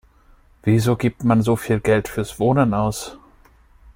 Wieso gibt man so viel Geld fürs Wohnen aus?